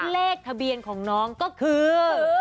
เลขทะเบียนของน้องก็คือ